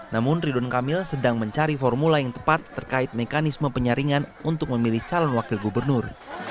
namun ridwan kamil sedang mencari formula yang tepat terkait mekanisme penyaringan untuk memilih calon wakil gubernur